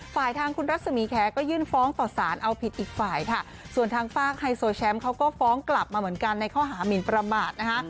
ทางคุณรัศมีแคร์ก็ยื่นฟ้องต่อสารเอาผิดอีกฝ่ายค่ะส่วนทางฝากไฮโซแชมป์เขาก็ฟ้องกลับมาเหมือนกันในข้อหามินประมาทนะคะ